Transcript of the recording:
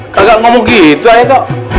kagak ngomong gitu aja kok